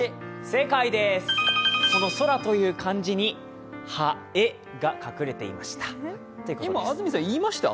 正解です、空という漢字に「ハ」「エ」が隠れていました。